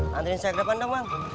nantiin saya ke depan dong bang